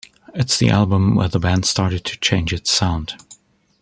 It is the album where the band started to change its sound.